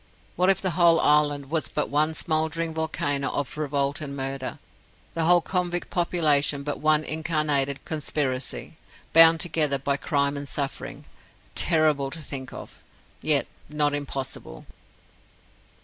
What if the whole island was but one smouldering volcano of revolt and murder the whole convict population but one incarnated conspiracy, bound together by crime and suffering! Terrible to think of yet not impossible.